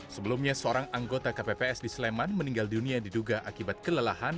sebelumnya seorang anggota kpps di sleman meninggal dunia diduga akibat kelelahan